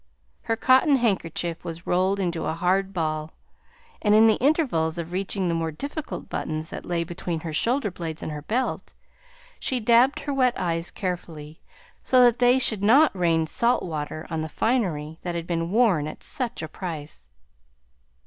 Her cotton handkerchief was rolled into a hard ball, and in the intervals of reaching the more difficult buttons that lay between her shoulder blades and her belt, she dabbed her wet eyes carefully, so that they should not rain salt water on the finery that had been worn at such a price.